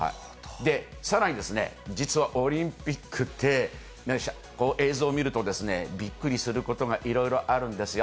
で、さらにですね、実はオリンピックで映像を見ると、びっくりすることがいろいろあるんですよ。